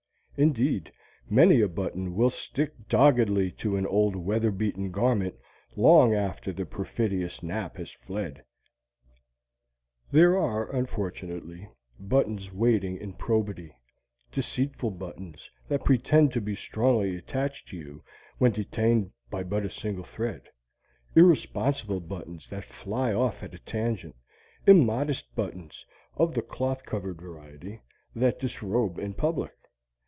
Indeed, many a button will stick doggedly to an old weatherbeaten garment long after the perfidious nap has fled. There are, unfortunately, buttons wanting in probity, deceitful buttons that pretend to be strongly attached to you when detained by but a single thread, irresponsible buttons that fly off at a tangent, immodest buttons (of the cloth covered variety) that disrobe in public.